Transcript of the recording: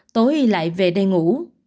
tối lại về đây ngủ